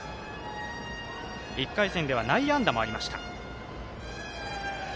１回戦では内野安打もありました。